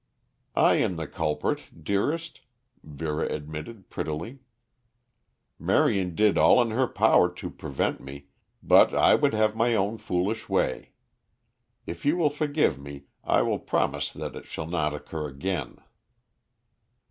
"I am the culprit, dearest," Vera admitted prettily. "Marion did all in her power to prevent me, but I would have my own foolish way. If you will forgive me I will promise that it shall not occur again."